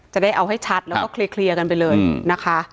จะได้เอาให้ชัดแล้วก็เคลียร์กันไปเลยนะคะ